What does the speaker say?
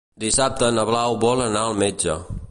Dissabte na Blau vol anar al metge.